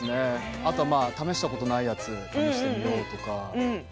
あとは試したことがないやつを試してみようとか。